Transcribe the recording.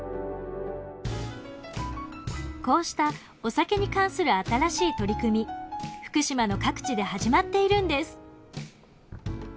こうしたお酒に関する新しい取り組み福島の各地で始まっているんです。